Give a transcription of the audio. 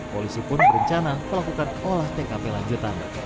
polisi pun berencana melakukan olah tkp lanjutan